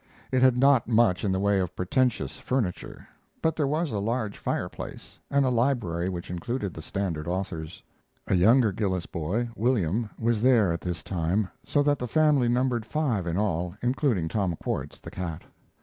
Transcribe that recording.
It had not much in the way of pretentious furniture, but there was a large fireplace, and a library which included the standard authors. A younger Gillis boy, William, was there at this time, so that the family numbered five in all, including Tom Quartz, the cat.